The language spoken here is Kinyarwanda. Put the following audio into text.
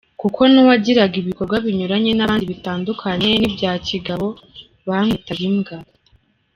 Kuko n’uwagiraga ibikorwa binyuranye n’abandi, bitandukanye n’ibya kigabo bamwitaga imbwa.